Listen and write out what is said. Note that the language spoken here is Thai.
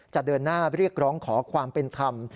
จะเดินหน้าเรียกร้องขอความเป็นธรรม